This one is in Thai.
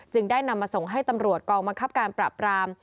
ได้นำมาส่งให้ตำรวจกองบังคับการปราบราม